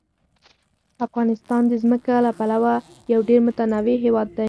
افغانستان د ځمکه له پلوه یو ډېر متنوع هېواد دی.